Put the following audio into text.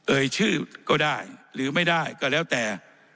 เอ่ยชื่อก็ได้หรือไม่ได้ก็แล้วแต่